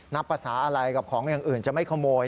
ภาษาอะไรกับของอย่างอื่นจะไม่ขโมย